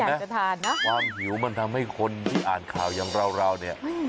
เห็นมั้ยความหิวมันทำให้คนที่อ่านข่าวยังร่าวเนี่ย